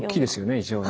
異常に。